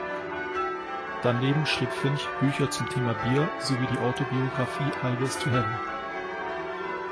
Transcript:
Daneben schrieb Finch Bücher zum Thema „Bier“ sowie die „Auto-Biographie“ "Highways to Heaven.